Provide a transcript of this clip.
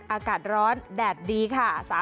อากาศร้อนแดดดีค่ะ